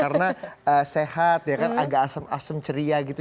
karena sehat ya kan agak asem asem ceria gitu